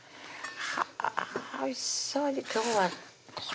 はぁおいしそうに今日は煮物ですか？